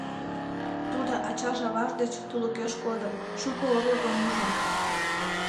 Тудо ачаж-аваж деч тулыкеш кодын, шуко орлыкым ужын.